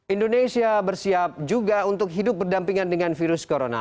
indonesia bersiap juga untuk hidup berdampingan dengan virus corona